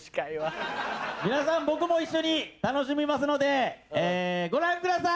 皆さん僕も一緒に楽しみますのでご覧ください！